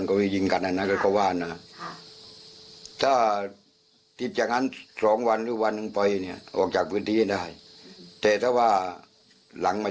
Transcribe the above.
คุณลูกหมายความว่าถ้าจะออกต้องรีบออกให้ได้ภายในวันสองวัน